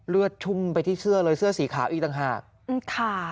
ชุ่มไปที่เสื้อเลยเสื้อสีขาวอีกต่างหากค่ะ